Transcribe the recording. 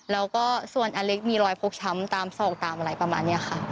แล้วก็ส่วนอเล็กมีรอยฟกช้ำตามศอกตามอะไรประมาณนี้ค่ะ